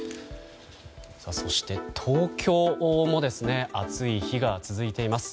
そして東京も暑い日が続いています。